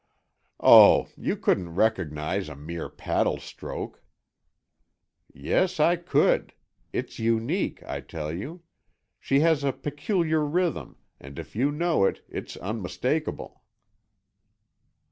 "Oh, you couldn't recognize a mere paddle stroke!" "Yes, I could. It's unique, I tell you. She has a peculiar rhythm, and if you know it, it's unmistakable."